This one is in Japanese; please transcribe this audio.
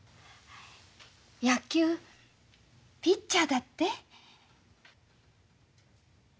野球ピッチャーだって？